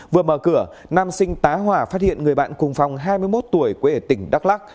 vừa mở cửa nam sinh tá hòa phát hiện người bạn cùng phòng hai mươi một tuổi quê ở tỉnh đắk lắc